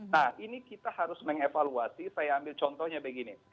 nah ini kita harus mengevaluasi saya ambil contohnya begini